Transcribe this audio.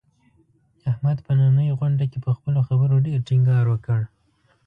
احمد په نننۍ غونډه کې، په خپلو خبرو ډېر ټینګار وکړ.